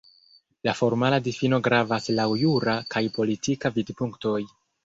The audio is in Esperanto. La formala difino gravas laŭ jura kaj politika vidpunktoj.